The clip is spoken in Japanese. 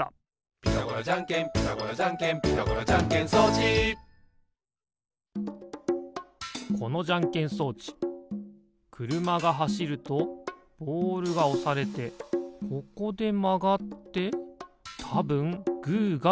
「ピタゴラじゃんけんピタゴラじゃんけん」「ピタゴラじゃんけん装置」このじゃんけん装置くるまがはしるとボールがおされてここでまがってたぶんグーがでる。